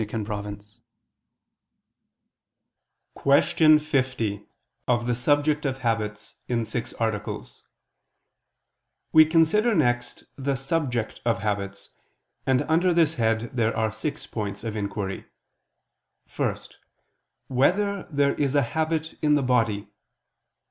________________________ QUESTION 50 OF THE SUBJECT OF HABITS (In Six Articles) We consider next the subject of habits: and under this head there are six points of inquiry: (1) Whether there is a habit in the body?